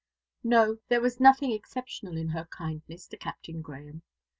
No, there was nothing exceptional in her kindness to Captain Grahame.